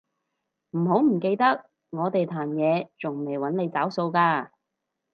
唔好唔記得我哋壇野仲未搵你找數㗎